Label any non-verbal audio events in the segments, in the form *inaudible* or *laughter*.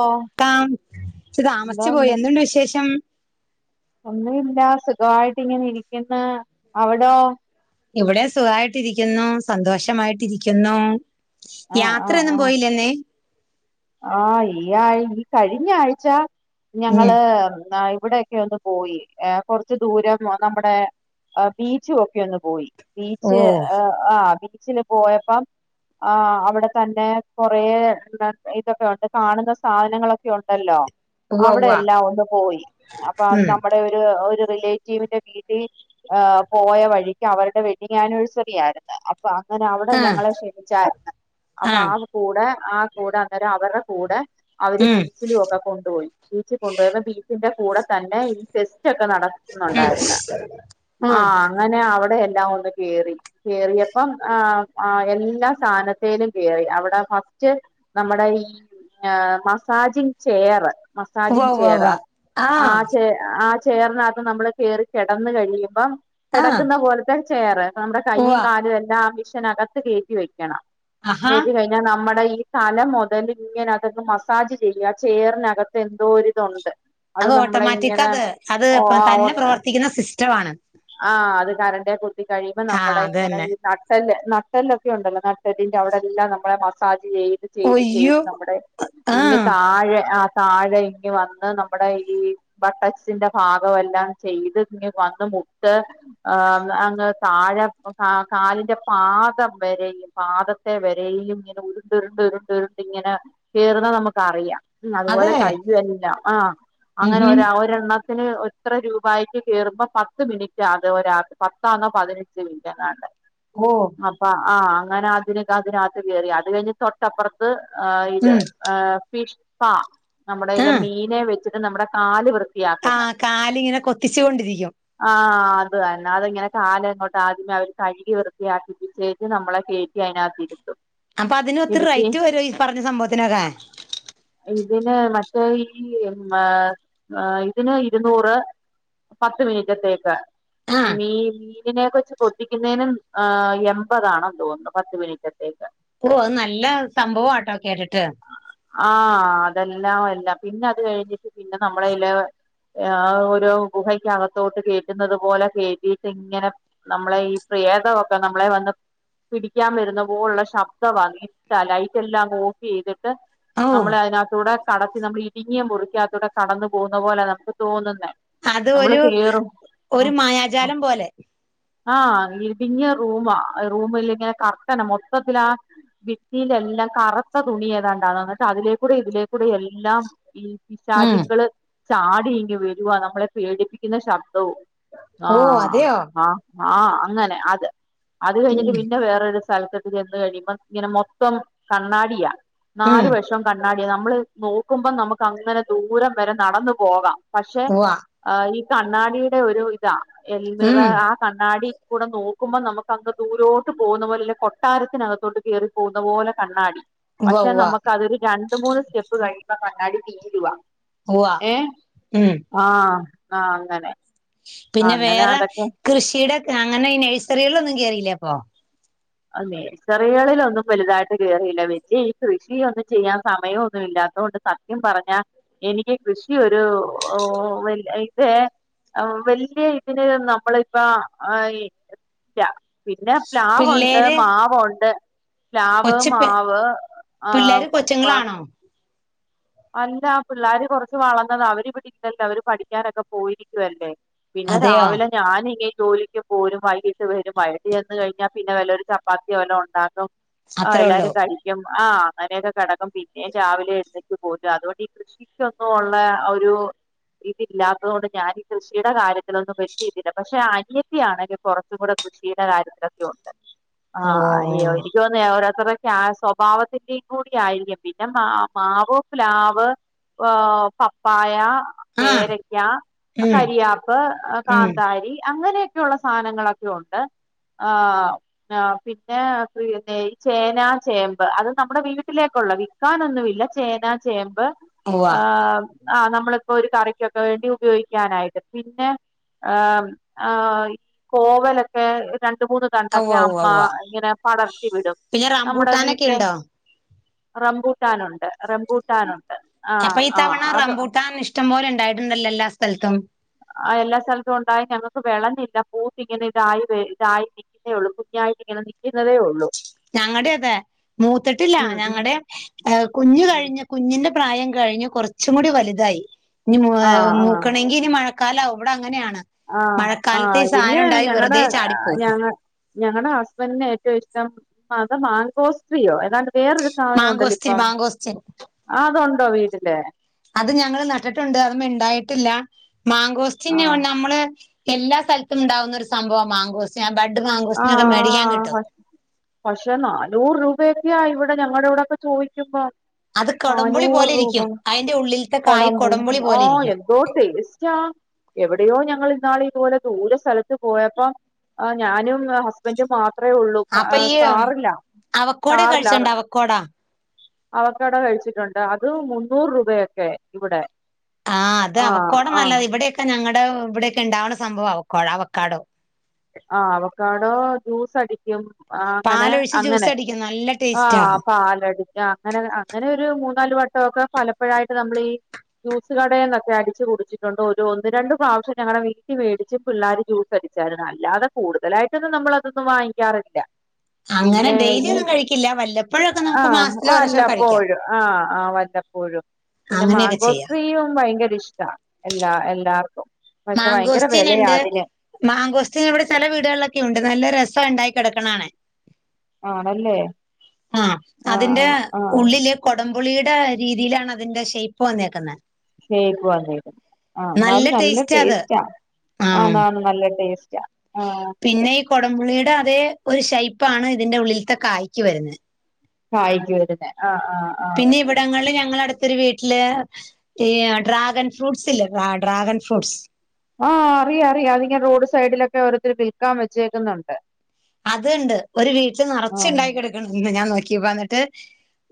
ഓ കാം ച്ച് താമസ്ച്ച് എന്തോണ്ട് പോയ് എന്തുണ്ട് വിശേഷം ഒന്നുവില്ലാ സുഖമായിട്ട്ങ്ങെനെ ഇരിയ്ക്ക്ന്ന് അവ്ടോ ഇവ്ടെ സുഖായ്ട്ടിരിയ്ക്കുന്നു സന്തോഷമായിട്ടിരിയ്ക്കുന്നു ആ യാത്രയൊന്നും പോയില്ലേന്ന് ആഹ് ഈ ആഴ് ഈ കഴിഞ്ഞ ആഴ്ച്ച ഉം ഞങ്ങള് ദാ ഇവ്ടേ യ്ക്കൊന്ന് പോയി ഏഹ് കാെർച്ച് ദൂരം നമ്മടെ ബീച്ചും ഒക്കെ ഒന്ന് പോയി ഓ ബീച്ച് ആഹ് ആഹ് ബീച്ചില് പോയപ്പം ആഹ് അവ്ടെ കണ്ടെ കൊറേ ന്താണ് ഇതൊക്കെ ഉണ്ട് കാണ്ന്ന സാധനങ്ങളൊക്കെ ഉണ്ടല്ലോ ഉവ്വ അവ്ടെ ഉവ്വ എല്ലാം ഒന്ന് പോയി അപ്പ അത് ഉം നമ്മ്ടെ ഒര് ഒരു റിലേറ്റീവ്ന്റെ വീട്ടി ഏഹ് പോയ വഴിക്ക് അവരുടെ വെഡ്ഡിങ്ങ്യാന്‌വേഴ്സറി ആയിര്ന്ന് അ അപ്പ അങ്ങനെ അവടെ ആഹ് ഞങ്ങളെ ക്ഷണിച്ചായ്‌ര്ന്ന് അപ്പ ആഹ് ആകെ കൂടെ ആകെ കൂട ന്നേര അവര്ടെ കൂടെ അവര് ഉം ബീച്ചിലും ഒക്കെ കൊണ്ടുപോയി ബീച്ചിൽ കൊണ്ടുപോയ ബീച്ചിന്റെ കൂടെ തന്നെ ഈ ഫെസ്റ്റ് ഒക്കെ നട ന്നുണ്ടായിരുന്ന... *unintelligible* ആഹ് അങ്ങനെ അവിടെ എല്ലാം ഒന്നു കേറി കേറിയപ്പം ആഹ് എല്ലാ സാധനത്തിലും കേറി അവിടെ ഫസ്റ്റ് നമ്മുടെ ഈ മസാജിങ് ചെയർ ഉവ്വ മസാജിങ് ഉവ്വ ചെയ്യറ ഉവ്വ ആ ആഹ് ചയർ ആ ചെയറിനകത്തു നമ്മള് കേറി കിടന്ന് കഴിയുമ്പം ആഹ് കിടക്കുന്ന പോലത്തെ ചെയർ നമ്മുടെ ഉവ്വ കൈയും കാലും എല്ലാം ആ മഷിനകത് കയറ്റി വെക്കണം ആഹാ കയറ്റ കഴിഞ്ഞാൽ നമ്മുടെ ഈ തല മുതൽ ഇങ്ങനെ അതങ്ങ് മസാജ് ചെയ്യേ ചെയേറിനകത്ത് എന്തോരി ഇതുണ്ട് അത് ഓട്ടോമാറ്റിക് അത് അത് തന്നെ പ്രവർത്തിക്കുന്ന സിസ്റ്റാണ് ആഹ് അത് കരണ്ടേ കുത്തി കഴിയുമ്പോ ആഹ് നമ്മുടെ അത് ഇങ്ങനെ തന്നെ ഈ നട്ടല്ല് നട്ടെല്ലൊക്കെ ഉണ്ടല്ലോ നട്ടല്ലിന്റെ അവിടെ എല്ലാം നമ്മെളെ മസാജ് ചെയ്യും ചെയ്ത് ഒയ്യോ ചെയ്ത് നമ്മുടെ ഇങ്ങന ആഹ് താഴെ ആഹ് താഴെ ഇങ്ങി വന്ന് നമ്മുടെ ഈ ബട്ടക്സിന്റെ ഭാഗമെല്ലാം ചെയ്ത് ഇങ്‌ വന്ന് മുട്ട് അങ് താഴെ കാലിന്റെ പാതം വരെയും പാദത്തെ വരും ഇങ്ങനെ ഉരുണ്ട ഉരുണ്ട് ഉരുണ്ട് ഉരുണ്ട് ഇങ്ങനെ കയർന്നാ നമുക്ക് അറിയാം ഉം അതുപോലെ അതെ കയ്യും എല്ലാം ആഹ് ഉം അങ്ങനെ ഹും ഒരെണ്ണ ത്തിന് എത്ര രൂപായിട്ട് കയറുമ്പോ പത്ത് പത്ത് മിനിറ്റ് അതത് ഒരാക്ക പത്താണോ പതിനഞ്ച് മിനിറ്റ്ന്നാണ്ട് ഓഹ് അപ്പ ആഹ് അങ്ങനെ അതിനൊ അതിനകത്ത് കയറി അത് കഴിഞ്ഞ് തൊട്ടപ്പുറത്ത് ഇത് ഉം ഫിഷ് പാ നമ്മുടെലെ ആഹ് മീനെ വെച്ചിട്ട് നമ്മുടെ കാല് വൃത്തിയാക്കുന്ന ആഹ് കാലിങ്ങനെ കൊത്തിച്ചു കൊണ്ടിരിക്കും ആഹ് അത് തന്നെ അതങ്ങനെ കാല്‌ എങ്ങോട്ട് ആദ്യമേ അവര് കഴുകി വൃത്തിയാക്കിച്ച് ത് നമ്മളെ കേറ്റി അതിനകത്തിരുത്തും അപ്പൊ അതിനൊത്തിരി റൈറ്റ് വരോ ഈ പറഞ്ഞ സംഭവത്തിനൊക്കെ! ! ഇതിന് മറ്റേ ഈ ഇതിന് ഇരുന്നൂറ് പത്ത് മിനിറ്റത്തേക്ക് ആഹ് മീ മീനിനെക്കെ വച്ചച്ച് മീനിനെ വെച്ച് കൊത്തിക്കുന്നതിനു എൺമ്പതാണോ തോന്നുന്നു പത്തു മിനിറ്റത്തേക്ക്. ഓഹ് അത് നല്ല സംഭവം ആട്ടോ കേട്ടിട്ട്... ആഹ് അതെല്ലാം എല്ലാം പിന്നെ അത് കഴിഞ്ഞിട്ട് പിന്നെ നമ്മളല ഒരു ഗുഹക്കകത്തു ത്തോട്ട് കേറ്റുന്നത് പോലെ കേറ്റീട്ട് ഇങ്ങനെ നമ്മളെ ഈ പ്രേതമൊക്കെ നമ്മളെ വന്ന് പിടിക്കാൻ വരുന്ന പോലുള്ള ശബ്ദവാ ഇരുട്ട ലൈറ്റ് എല്ലാം അങ്ങ് ഓഫ് ചെയ്തിട്ട് ഓ നമ്മളെ അതിനകത്തൂടെ കടത്തി നമ്മൾ ഇടുങ്ങിയ മുറിക്കകതുടെ കടന്നു പോകുന്ന പോലെ നമുക്ക് തോന്നുന്നേ അത് നമ്മള് ഒരു കേറും ഒരു ആ മായാജാലം പോലെ ആഹ് ഇടുങ്ങിയ റൂമാ റൂമിലു ഇങ്ങനെ കർട്ടനാ മൊത്തത്തിലാ ഭിത്തിയിലെല്ലാം കറുത്ത തുണി ഏതാണ്ടാണ്‌ എന്നിട്ട് അതിലേക്കൂടെ ഇതിലേക്കൂടെ എല്ലാം എല്ലാം ഈ ഉം പിശാച്ക്കൾ ചാടി ഇങ്ങ് വരുവാ നമ്മളെ പേടിപ്പിക്കുന്ന ശബ്ദവും ഓ ആഹ് അതെയോ ആഹ് ആഹ് അങ്ങനെ അത് അത് കഴിഞ്ഞിട്ട് ഉം പിന്നെ വേറൊരു സ്ഥലത്ത് ചെന്ന കഴിയുമ്പ ഇങ്ങനെ മൊത്തം കണ്ണാടിയാ ഉം നാലു വഷം കണ്ണാടിയാ നമ്മള് നോക്കുമ്പം നമുക്ക് അങ്ങനെ ദൂരം വരെ നടന്നു പോകാം പക്ഷേ ഉവ്വ ഈ കണ്ണാടിയുടെ ഒരിത എന്തറ ഉം കണ്ണാടി കൂടെ നോക്കുമ്പോ നമുക്ക് അങ് ദൂരോട്ട് പോകുന്ന പോലെല്ലെ കൊട്ടാരത്തിനകത്തോട്ട് കെറി പൂതോപോലെ കണ്ണാടി ഉവ്വ പക്ഷെ ഉവ്വ നമ്മക്ക് അതൊരു രണ്ട്, മൂന്ന് സ്റ്റെപ്പ് കഴിയുമ്പ കണ്ണാടി തീരുവാ ഓവ ഏ ഉം ആഹ് ആഹ് അങ്ങനെ പിന്നെ അങ്ങനെ വേറെ അതൊക്കെ കൃഷിയുടെ അങ്ങനെ നഴ്സറികളൊന്നും കേറില്ലേ അപ്പൊ? നെഴ്സറികളിലൊന്നും വലുതായിട്ട് കേറിയില്ല വെല്യേ ഈ കൃഷിയൊന്നും ചെയ്യാൻ സമയോന്നും ഇല്ലാത്ത കൊണ്ട് സ ത്യം പറഞ്ഞ എനിക്ക് കൃഷി ഒരു *unintelligible* വെല്യേ ഇതിന് നമ്മളിപ്പ ല്ല പിന്നെ പ്ലാവ് പിള്ളേര് മാവുണ്ട്, പ്ലാവ്, കൊച്ചു പി മാവ് ആഹ് പിള്ളേര് കൊച്ചുങ്ങളാണോ അല്ല പിള്ളോര് കൊറച്ച് വളർന്നതാ അവര് ഇവടില്ലല്ലോ അവര് പഠിക്കാനൊക്കെ പോയിരിക്കുവല്ലേ പിന്നെ അതെയോ രാവിലെ ഞാനിങ്ങെ ജോലിക്ക് പോരും വൈകിട്ട് വരും വൈകിട്ടി ചെന്ന് കഴിഞ്ഞാ പിന്നെ വല്ല ഒരു ചപ്പാത്തി വല്ല ഉണ്ടാക്കും ആഹ് അത്രേ ഉള്ളൂ എല്ലാരും കഴിക്കും ആഹ് അങ്ങനെക്കെ കിടക്കും പിന്നെ രാവിലെ എഴുന്നെ പോരും അതുകൊണ്ട് ഈ കൃഷിക്കൊന്നും ഉള്ളെ ആഹ് ഒരു ഇതി ഇല്ലാത്ത കൊണ്ട് ഞാനി കൃഷിയുടെ കാര്യത്തിലൊന്നും വെല്യേ ഇതില്ല പക്ഷെ അനിയത്തി ആണെങ്കി കുറച്ചും കൂടെ കൃഷിയുടെ കാര്യത്തിലൊക്കെ ഉണ്ട് ഓ ആഹ് അയ്യോ *unintelligible* ആ സ്വഭാവത്തിന്റെയും കൂടി ആയിരിക്കും പിന്നെ മാ മാവ് പ്ലാവ്, ആഹ് പപ്പായ ആഹ് പേരക്ക, ഉം കരിയാപ്പ്, ഉം കാന്താരി, അങ്ങനെ ക്കെള്ള സാനങ്ങളൊക്കെ ഉണ്ട് ആഹ് ആഹ് പിന്നെ ചേന, ചേമ്പ് അത് നമ്മുടെ വീട്ടിലേക്കുള്ള ക്കാനൊന്നുല്ല ചേന, ചേമ്പ് ഉവ്വ ആഹ് ആഹ് നമ്മളിപ്പോ ഒരു കറിക്കൊക്കെ വേണ്ടി ഉപയോഗിക്കാനായിട്ട് പിന്നെ ആഹ് കോവലൊക്കെ രണ്ട് മൂന്ന് അവ്വ തണ്ടൊക്കെ അവ്വ അമ്മ അവ്വ ഇങ്ങനെ പടർത്തി വിടും പിന്നെ നമ്മുടെ റംബൂട്ടാനൊക്കെ വീട്ടിലെ ഉണ്ടോ റംബൂട്ടാനുണ്ട് റംബൂട്ടാനുണ്ട് ആഹ് അപ്പ ഈ ആഹ് തവണ അത് റമ്പൂട്ടാൻ ഇഷ്ടം പോലെ ഇണ്ടായിട്ടുണ്ടല്ലോ എല്ലാ സ്ഥലത്തും ആഹ് എല്ലാ സ്ഥലത്തും ഉണ്ടായി ഞങ്ങക്ക് വെളഞ്ഞില്ല പൂത്ത് ഇങ്ങനെ ഇതായി ഇതായി ള്ളൂ കുഞ്ഞായിട്ട് ഇങ്ങനെ നിക്കുന്നതേ ഒള്ളൂ ഞങ്ങളുടെ അതെ മൂത്തിട്ടില്ല ഉം ഞങ്ങടെ ഏഹ് കുഞ്ഞ് ഉം കഴിഞ്ഞ കുഞ്ഞിന്റെ പ്രായം കഴിഞ്ഞ് കൊർച്ചും കൂടി വലുതായി ഇഞ് ആഹ് ആഹ് മൂക്കട്ടി ഇനി മഴക്കാലം ആവും ഇവടെ അങ്ങനെണ് ആഹ് ആഹ് പിന്നെ ഞങ്ങടെ ചാടിപ്പോവും ഞങ്ങ ഞങ്ങടെ ഹസ്ബന്റിന് ഏറ്റവും ഇഷ്ടം അത് മാങ്കോസ്ട്രയോ ഏതാണ്ട് വേറൊരു സാധനം ഉണ്ടല്ലോ മാങ്കോസ്റ്റിൻ ഇപ്പം മാങ്കോസ്റ്റിൻ അതുണ്ടോ വീട്ടില്? അത് ഞങ്ങൾ നട്ടിട്ടുണ്ട് അത്മ്മെ ഇണ്ടായിട്ടില്ല മാങ്കോസ്റ്റി ന്ന ആഹ് നമ്മള് എല്ലാ സ്ഥലത്തും ഉണ്ടാവുന്ന ഒരു സംഭവം മാങ്കോസ്റ്റി ബേഡ് മാങ്കൂസിനെക്കെ മേടിക്കാൻ കിട്ടും ആഹ് പക്ഷെ നാനൂറ് രൂപയൊക്കെയാ ഇവിടെ ഞങ്ങൾടെ ഇവിടെക്കെ ചോദിക്കുമ്പോ അത് കൊടംപുളി പോലെ ഇരിക്കും അയ്‌ന്റെ ഉള്ളിൽ കോടം പുളി ഓഹ് ന്തോ ടെസ്റ്റാ എവിടെയോ ഞങ്ങള് ഇന്നാള് ഇതുപോലെ ദൂര സ്ഥലത്ത് പോയപ്പം ആഹ് ഞാനും ഹസ്ബന്റും മാത്ര ഒള്ളൂ അപ്പൊ ഈ കാറിലാ കാറിലാ കൊട അവക്കട കഴിച്ചിട്ടുണ്ട് അത് മുന്നൂറ് രൂപയൊക്കെ ഇവടെ ആഹ് അത് അവക്കോട നല്ലത് ഇവിടെയൊക്കെ ഞങ്ങളടെ ഇവിടെയൊക്കെ ഉണ്ടാവുന്ന സംഭവം അവക്കോട അവക്കാടോ ആ ഹ് അവക്കാടോ ജ്യൂസ് അടിക്കും ആഹ് അങ്ങനെ പാലൊഴിച്ച് ജ്യൂസ് അങ്ങനെ അടിക്കും നല്ല ടേസ്റ്റാ ആഹ് പാലടി അങ്ങനെ അങ്ങനൊരു മൂന്നാല് വട്ടൊക്കെ പലപ്പോഴായിട്ട് നമ്മളീ ജ്യൂസ് കടേന്നൊക്കെ അടിച്ച് കുടിച്ചിട്ടുണ്ട് ഒര് ഒന്ന് രണ്ട് പ്രാവശ്യകൊങ്ങനെ വീട്ടിൽ മേടിച്ച് പിള്ളേര് ജ്യൂ സടിച്ചായിരുന്നു അല്ലാതെ കൂടുതലായിട്ടൊന്നും നമ്മള് അതൊന്നും വാങ്ങിക്കാറില്ല അങ്ങനെ പിന്നെ ഡെയിലി ഈ ഒന്നും കഴിക്കില്ല വല്ലപ്പോഴൊക്കെ നമുക്ക് ആഹ് മാസത്തിൽ ഒരുപ്രാവശ്യം കഴിക്കാം വല്ലപ്പോഴും ആഹ് ആ വല്ല ഴും പിന്നെ അങ്ങനെയൊക്കെ ചെയ്യാം മാങ്കോസ്ട്രിയും ഭയങ്കര ഇഷ്ട എല്ലാ എല്ലാർക്കും പക്ഷെ ഭയങ്കര വെലയാ അതിന് മാങ്കോസ്ത്തി ഇവടെ ചെല വീടുകളിലൊക്കെ ഉണ്ട് നല്ല രസാണ്ടായി കിടക്കണ കാണാൻ ആണല്ലേ ആഹ് അതിന്റെ ആഹ് ആഹ് ഉള്ളില് കൊടംപുളിടെ രീതിയിലാണ് അതിന്റെ ഷെയ്പ്പ് വന്നേക്കുന്നെ ഷൈപ്പ് വന്നേക്കുന്നേ ആഹ് ഇന്നാലും നല്ല ടേസ്റ്റ് അത് ടേസ്റ്റാ ആ ആഹ് ഇന്നാലും നല്ല ടേസ്റ്റാ ആഹ് പിന്നെ ഈ കൊടംപുളിടെ അതേ ഒരു ഷൈപ്പാണ് ഇതിന്റെ ഉള്ളിൽത്തെ കായ് ക്ക്‌വരുന്നേ കായിക്ക്‌ വരുന്നേ ആഹ് ആഹ് ആഹ് പിന്നെ ഇവ ടങ്ങളില് ഞങ്ങളടുത്തൊരു വീട്ടില് ഈ ഡ്രാഗൺ ഫ്രൂട്ട്സില്ലേ ഡ്രാഗൺ ഫ്രൂട്ട്സ് ആഹ് അറിയ അറിയ അതിങ്ങെ റോഡ് സൈഡിലൊക്കെ ഓരോരുത്തർ വിൽക്കാൻ വെച്ചേക്കുന്നുണ്ട് അത്ണ്ട് ഒരു വീട്ടില് ആഹ് നറച്ച്ണ്ടായി ക്കടുക്കണണ്ട് ഞാൻ നോക്കിപ്പോ അന്നിട്ട്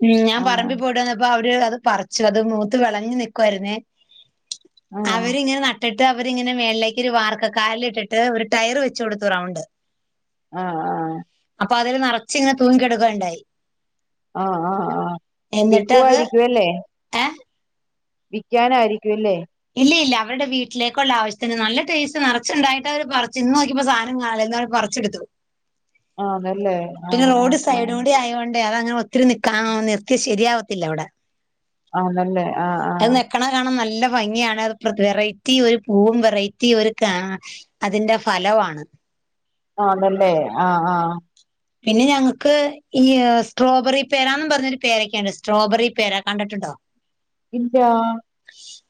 ഉം ഞാൻ ആഹ് പറമ്പി പോയിട്ട് വന്നപ്പോ അവര് അത് പറിച്ചു അത് മൂത്ത് വെളഞ്ഞ് നിക്കുവായിരുന്നേ ആഹ് അവരിങ്ങനെ നാട്ട് നട്ടിട്ട് അവരിങ്ങന മേളിലേക്ക് ഒരു വാർക്കകാലിലിട്ടിട്ട് ഒരു ടയറ് വെച്ച് കൊടുത്തു റൗണ്ട് ആഹ് ആഹ് അപ്പൊ അതില് നറച്ച്ങ്ങനെ തൂങ്ങികടക്കണ്ടായി ആഹ് ആഹ് ആഹ് എന്നിട്ടത് വിക്കുവായിരിക്കും അല്ലേ ഏഹ് വിക്കാനായിരിക്കും അല്ലേ ഇല്ല ഇല്ല അവരുടെ വീട്ടിലേക്കുള്ള ആവശ്യത്തിന് നല്ല ടേസ്റ്റ് നറച്ച്ണ്ടായിട്ട് അവര് പറിച്ചു ഇന്ന് നോക്കിപ്പോ സാദനം കാണില്ല പറച്ചിടുത്തു ആഹ് അതല്ലേ പിന്നെ റോഡ് സൈഡ് കൂടി ആയതോണ്ടേ അതങ്ങനെ ഒത്തിരി നിക്കാ നിർത്തിയാൽ ശരിയാവത്തില്ല അവടെ ആണല്ലേ ആഹ് ആഹ് കളറ് കാണാൻ നല്ല ഭംഗിയാണ് അത് വെറൈറ്റി ഒരു പൂവും വെറൈറ്റി ഒരു കാ അതിന്റെ ഫലവാണ് ആഹ് അതല്ലേ ആഹ് ആഹ് പിന്നെ ഞങ്ങൾക്ക് ഈ സ്ട്രോബെറി പേരരാന്ന് പറഞ്ഞൊരു പേരക്കയുണ്ട് സ്ട്രോബെറി പേര കണ്ടിട്ടുണ്ടോ ഇല്ലാ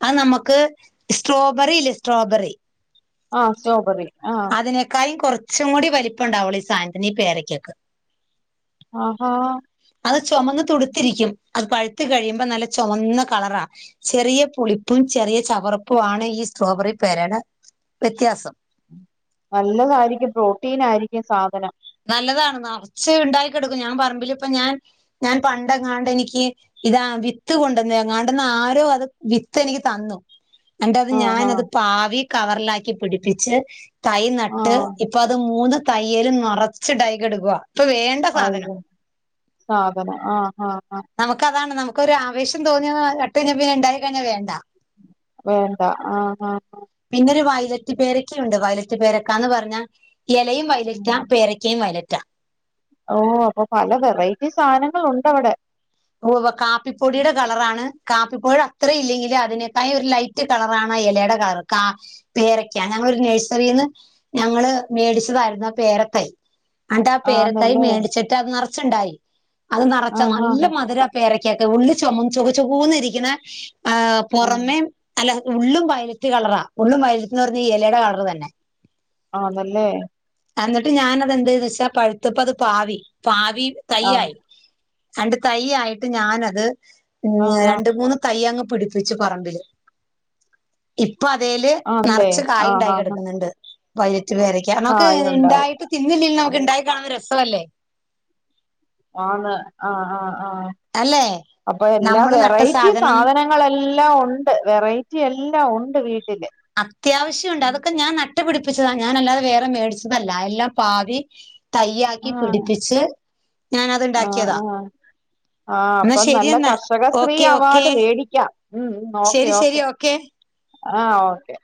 അത് നമ്മക്ക് സ്ട്രോബെറി ഇല്ലേ സ്ട്രോബെറി ആഹ് സറ്റ്രോബറി ആഹ് അതിനേക്കായും കുറച്ചും കൂടി വലിപ്പണ്ടാവൊള്ളൂ ഈ സായനത്തിന് പേരക്കക്ക് ആഹാ അത് ചുമന്ന് തുടുത്തിരിക്കും അത് പഴുത്ത് കഴിയുമ്പോ നല്ല ചുമന്ന കളറാ ചെറിയ പുളിപ്പും ചെറിയ ചവർപ്പുവാണ് ഈ സ്ട്രോബെറി പേരയുടെ വ്യത്യാസം നല്ലതായിരിക്കും പ്രോട്ടീനായിരിക്കും സാധനം നല്ലതാണ് നറച്ച്ണ്ടായി കെടക്കും ഞാൻ പറമ്പില് ഇപ്പ ഞാൻ ഞാൻ പണ്ടങ്ങാണ്ട് എനിക്ക് ഇതാ വിത്ത് കൊണ്ടന്നങ്ങാണ്ടന്ന് ആരോ അത് വിത്ത് എനിക്ക് തന്നു അന്നിട്ടത് ആഹ് ഞാൻ ആഹ് അത് പാവി കവറിലാക്കി പിടിപ്പിച്ച് തൈ നട്ട് ആഹ് ഇപ്പൊ അത് മൂന്ന് തയ്യേലും നറച്ച്ണ്ടായി കടക്കാ ഇപ്പൊ വേ ഐവ സാധനം ആഹ് ആഹ് ആഹ് നമുക്കതാണ് നമുക്കൊരാവേശം തോന്നിയ നട്ടഴിഞ്ഞാ പിന്നെണ്ടായി കഴിഞ്ഞാവേണ്ട വേണ്ട ആഹ് ആഹ് ആഹ് പിന്നൊരു വയലെറ്റ് പേരക്കയുണ്ട് വയലറ്റ് പേരക്കാന്ന് പറഞ്ഞാ എലയും വയലറ്റാ പേരയ്ക്കയും വയലറ്റാ ഓ അപ്പൊ പല വെറൈറ്റി സാധനങ്ങൾ ഉണ്ട് അവിടെ ഓ കാപ്പിപ്പൊടിയുടെ കളറാണ് കാപ്പിപ്പൊടിടെ അത്ര ഇല്ലെങ്കിൽ അതിനെക്കായും ഒരു ലൈ മറ്റ് കളറാണ് ആ ഇലയുടെ കളർ കാ പേരക്കാ ഞങ്ങളൊരു നേഴ്സറിന്ന് ഞങ്ങള് മേടിച്ചതായിരുന്നു ആ പേര തൈ അണ്ട് ആഹ് പേരതൈ ആന്നല്ലേ? മേടിച്ചിട്ട് അത് നെറച്ചുണ്ടായി അത് നെറച് ആഹ് നല്ല ആഹ് അ പേരക്കാത്ത് ഉള്ളിൽ ചൊമ ചൊക ചൊകോന്ന് ഇരിക്കുന്ന ആഹ് ആഹ് പുറമെ അല്ല ഉള്ളും വയലറ്റ് കളറാ ഉള്ളും വയലത്ത്ന്ന് പറഞ്ഞ ഈ ഇലയുടെ കളർ തന്നെ ആന്നല്ലേ എന്നിട്ട് ഞാനത് എന്ത് ചെയ്ത് വെച്ചാ പഴുത്തപ്പ അത് പാവി പാവി ആഹ് തയ്യായി അണ്ട് തൈ ആയിട്ട് ഞാനത് ഉം ആഹ് ആഹ് രണ്ട് മൂന്ന് തയ്യങ്ങ് പിടിപ്പിച്ച് പറമ്പില് ഇപ്പൊ അതേല് ആണല്ലേ? നെറച്ച് കായ് ആഹ് ഉണ്ടായി ആഹ് കിടക്കുന്നുണ്ട് വൈലറ്റ് പേരക്ക മ്ക്ക് കായുണ്ടായി ഉണ്ടായിട്ട് തിന്നില്ലിൽ നമുക്ക് ഉണ്ടായി കാണുന്ന രസമല്ലേ ആന്ന് ആഹ് ആഹ് ആഹ് അല്ലേ അപ്പൊ എല്ലാ നമ്മള് നട്ട വെറൈറ്റി സാധനം സാധന ങ്ങളെല്ലാം ഒണ്ട് വെറൈറ്റി എല്ലാം ഒണ്ട് വീ അത്യാവശ്യ ഉണ്ട് അതൊക്കെ ഞാൻ നട്ട് പിടിപ്പിച്ചതാ ഞാനല്ലാതെ വേറെ മേടിച്ചതല്ല എല്ലാം പാവി തയ്യാക്കി ആഹ് പിടിപ്പിച്ച് ഞാനത് ആഹ് ഉണ്ടാക്കിയത ആഹ് ആഹ് അപ്പൊ നല്ല കർഷക സ്ത്രീ ഓക്കെ ഓക്കെ അവാർഡ് മേടിക്കാം ഉം ഓക്കെ ശരി ശരി ഓക്കെ ആഹ് ഓക്കെ